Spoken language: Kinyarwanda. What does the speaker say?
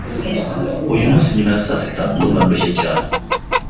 Uyu munsi nyuma ya saa sita ndumva ndushye cyane.